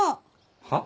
はっ？